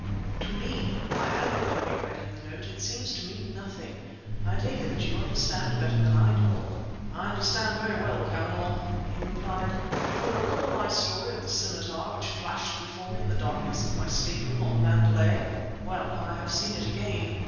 "To me," I added, having read him the note, "it seems to mean nothing. I take it that you understand better than I do." "I understand very well, Cavanagh!" he replied. "You will recall my story of the scimitar which flashed before me in the darkness of my stateroom on the Mandalay? Well, I have seen it again!